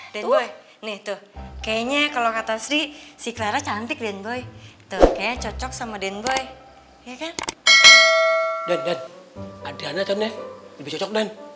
kayaknya kalau kata sih si clara cantik dan boy kayaknya cocok sama den boy adiknya